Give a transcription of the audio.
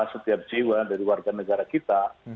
setiap jiwa dari warga negara kita